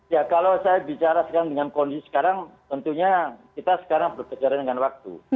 ya kalau saya bicara sekarang dengan kondisi sekarang tentunya kita sekarang berkejaran dengan waktu